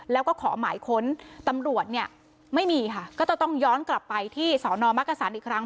แล้วก็ขอหมายค้นตำรวจเนี่ยไม่มีค่ะก็จะต้องย้อนกลับไปที่สอนอมักกษันอีกครั้ง